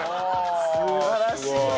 素晴らしいよ。